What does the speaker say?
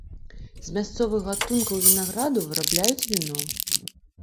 З мясцовых гатункаў вінаграду вырабляюць віно.